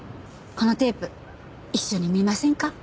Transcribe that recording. このテープ一緒に見ませんか？